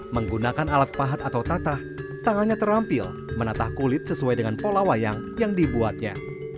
menggunakan alat pahat atau tatah tangannya terampil menatah kulit sesuai dengan pola wayang yang dibuatnya